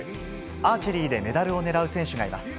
アーチェリーでメダルを狙う選手がいます。